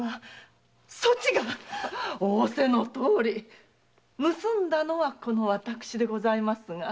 仰せのとおり盗んだのはこの私でございますが。